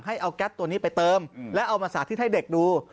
ให้เอาแก๊สตัวนี้ไปเติมแล้วเอามาสาธิตให้เด็กดู